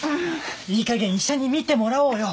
いい加減医者に診てもらおうよ。